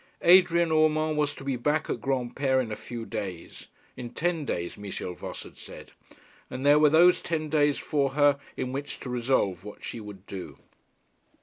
Adrian Urmand was to be back at Granpere in a few days in ten days Michel Voss had said; and there were those ten days for her in which to resolve what she would do.